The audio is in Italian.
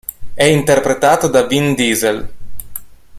È interpretato da Vin Diesel.